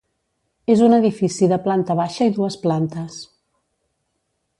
És un edifici de planta baixa i dues plantes.